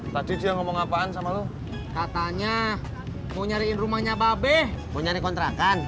tadi dia ngomong apaan sama lu katanya mau nyariin rumahnya babeh menyanyi kontrakan